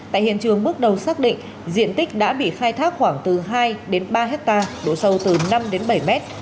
tại hiện trường bước đầu xác định diện tích đã bị khai thác khoảng từ hai đến ba hectare độ sâu từ năm đến bảy mét